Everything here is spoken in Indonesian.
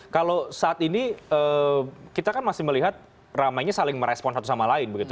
kalau saat ini kita kan masih melihat ramainya saling merespon satu sama lain begitu